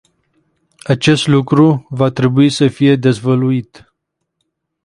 Acest lucru va trebui să fie dezvăluit.